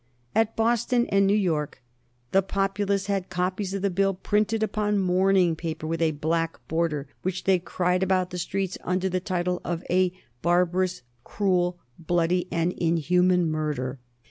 At Boston and New York "the populace had copies of the Bill printed upon mourning paper with a black border, which they cried about the streets under the title of a barbarous, cruel, bloody, and inhuman murder."